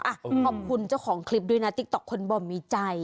ขอบคุณเจ้าของคลิปด้วยนะติ๊กต๊อกคนบ่อมีใจ